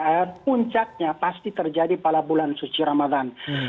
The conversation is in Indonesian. jadi puncaknya pasti terjadi pada bulan suci ramadan